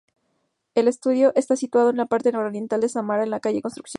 El estadio está situado en la parte nororiental de Samara en la calle Constructores.